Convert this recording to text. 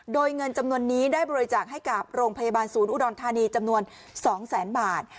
โดยเงินจำนวนนี้ได้บริจาคให้กับโรงพยาบาลศูนย์อุดรธานีจำนวน๒แสนบาท